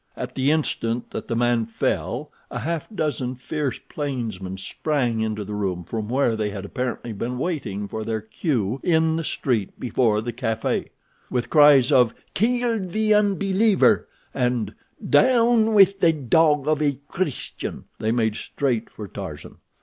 At the instant that the man fell a half dozen fierce plainsmen sprang into the room from where they had apparently been waiting for their cue in the street before the café. With cries of "Kill the unbeliever!" and "Down with the dog of a Christian!" they made straight for Tarzan.